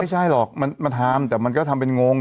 ไม่ใช่หรอกมันทำแต่มันก็ทำเป็นงง